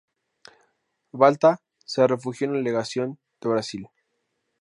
Balta se refugió en la legación de Brasil.